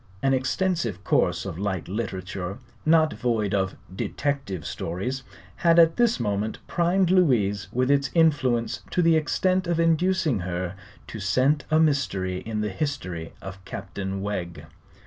An extensive course of light literature, not void of "detective stories," had at this moment primed Louise with its influence to the extent of inducing her to scent a mystery in the history of Captain Wegg.